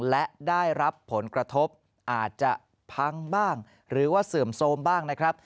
และได้รับผลกระทบอาจจะพังบ้างหรือว่าเสื่อมโทรมบ้างนะครับ